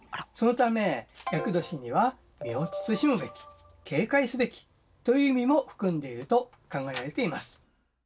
そのため厄年には身を慎むべき警戒すべきという意味も含んでいると考えられています。